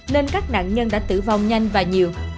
nên các nạn nhân đã tử vong nhanh và nhiều